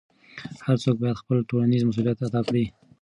هر څوک باید خپل ټولنیز مسؤلیت ادا کړي.